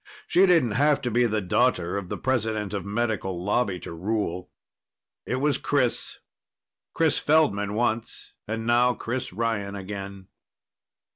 She didn't have to be the daughter of the president of Medical Lobby to rule. It was Chris Chris Feldman once, and now Chris Ryan again.